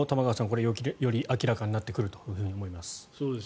これで、より明らかになってくると思います。